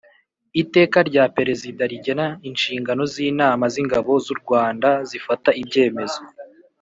Iteka rya Perezida rigena inshingano z inama z Ingabo z u Rwanda zifata ibyemezo